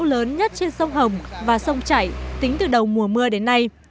lớn nhất trên sông hồng và sông chảy tính từ đầu mùa mưa đến nay